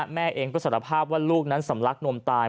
แม่เองก็สารภาพว่าลูกนั้นสำลักนมตาย